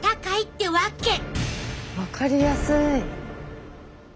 分かりやすい。